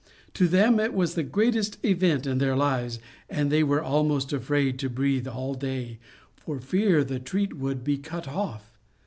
To them it was the greatest event in their lives, and they were almost afraid to breathe all day, for fear the treat would be cut off.